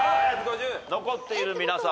残っている皆さん